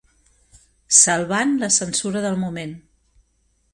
Salvant la censura del moment.